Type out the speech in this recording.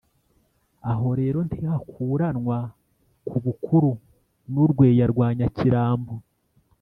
aho rero ntihakuranwa ku bukuru n’u rweya rwa nyakirambo